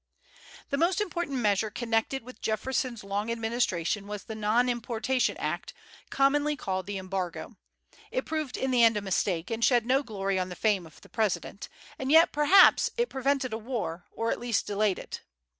The most important measure connected with Jefferson's long administration was the Non importation Act, commonly called the Embargo. It proved in the end a mistake, and shed no glory on the fame of the President; and yet it perhaps prevented a war, or at least delayed it.